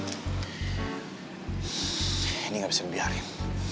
ini gak bisa dibiarin